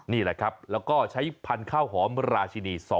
นี่แหละครับแล้วก็ใช้พันธุ์ข้าวหอมราชินี๒๐